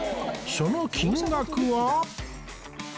その金額は